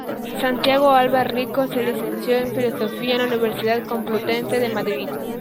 Santiago Alba Rico se licenció en Filosofía en la Universidad Complutense de Madrid.